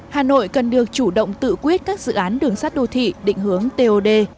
hà nội cần được chủ động tự quyết các dự án đường sắt đô thị định hướng tod